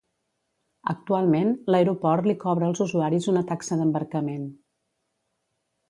Actualment, l'aeroport li cobra als usuaris una taxa d'embarcament.